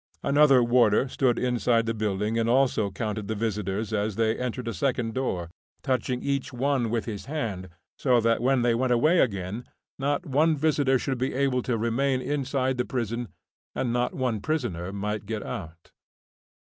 Another warder stood inside the building and also counted the visitors as they entered a second door, touching each one with his hand, so that when they went away again not one visitor should be able to remain inside the prison and not one prisoner might get out.